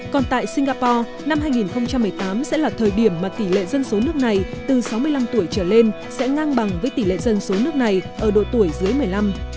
còn tại singapore năm hai nghìn một mươi tám sẽ là thời điểm mà tỷ lệ dân số nước này từ sáu mươi năm tuổi trở lên sẽ ngang bằng với tỷ lệ dân số nước này ở độ tuổi dưới một mươi năm